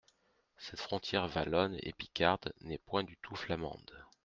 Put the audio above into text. Cette frontière wallone et picarde n'est point du tout flamande.